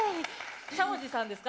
しゃもじさんですか？